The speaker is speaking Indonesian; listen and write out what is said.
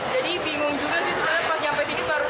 jadi bingung juga sih sebenarnya pas nyampe sini baru tahu